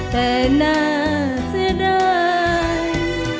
แต่น่าจะได้